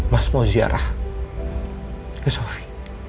mas mau ziarah ke sofi